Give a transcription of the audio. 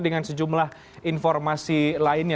dengan sejumlah informasi lainnya